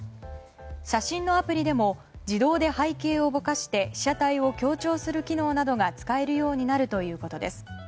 写真のアプリでも自動で背景をぼかして被写体を強調する機能などが使えるようになるということです。